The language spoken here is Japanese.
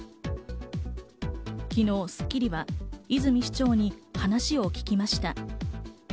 昨日『スッキリ』は泉市長に話を聞きました。